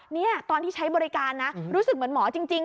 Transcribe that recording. นี่ตอนที่ใช้บริการนะรู้สึกเหมือนหมอจริง